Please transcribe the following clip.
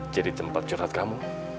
jadi tempat curhat kamu